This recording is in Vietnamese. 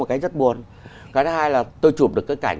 cái thứ hai là tôi chụp được cái cảnh